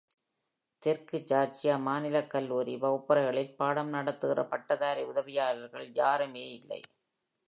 தெற்கு ஜார்ஜியா மாநிலக் கல்லூரி வகுப்பறைகளில் பாடம் நடத்துகிற பட்டதாரி உதவியாளர்கள் யாருமில்லை.